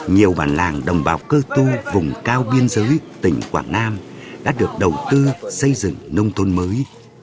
nhiều bản làng đồng bào cơ tu vùng cao biên giới tỉnh quảng nam đã được đầu tư xây dựng nông thôn mới